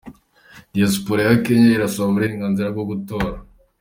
Diyasipora ya Kenya irasaba uburenganzira bwo gutora